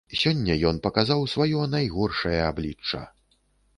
Сёння ён паказаў сваё найгоршае аблічча.